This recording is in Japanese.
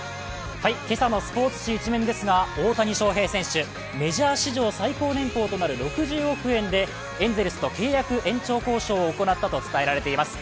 今朝のスポーツ紙１面ですが大谷翔平選手、メジャー史上最高年俸となる６０億円でエンゼルスと契約延長交渉を行ったと伝えられています。